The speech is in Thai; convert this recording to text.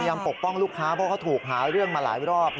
ปกป้องลูกค้าเพราะเขาถูกหาเรื่องมาหลายรอบ